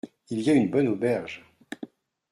Il y a une bonne auberge.